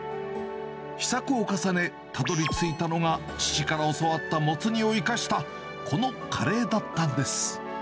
試作を重ね、たどりついたのが、父から教わったモツ煮を生かした、このカレーだったんです。